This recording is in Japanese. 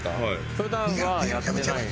普段はやってない。